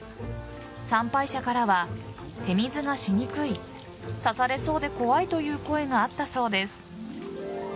参拝者からは、手水がしにくい刺されそうで怖いという声があったそうです。